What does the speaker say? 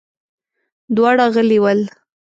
دواړه غلي ول.